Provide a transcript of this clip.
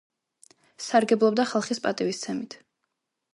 სარგებლობდა ხალხის პატივისცემით.